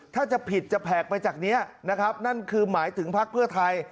ถ้าจะผิดจะแผกไปจากนี้นะครับนั่นคือหมายถึงพักเพื่อไทย